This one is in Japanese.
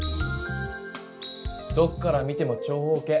どっから見ても長方形。